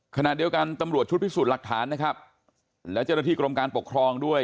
ขณะเดียวกันตำรวจชุดพิสูจน์หลักฐานนะครับและเจ้าหน้าที่กรมการปกครองด้วย